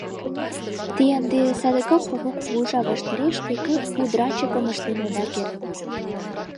Те ынде садыгак кугу кугыжа ваштареш тегак пудранчыкым ыштен ода керт.